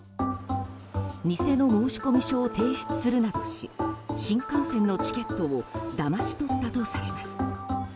偽の申込書を提出するなどし新幹線のチケットをだまし取ったとされます。